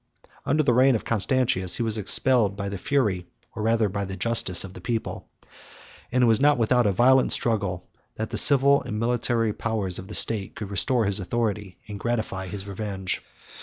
Under the reign of Constantius, he was expelled by the fury, or rather by the justice, of the people; and it was not without a violent struggle, that the civil and military powers of the state could restore his authority, and gratify his revenge.